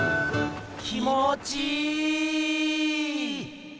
気もちいい。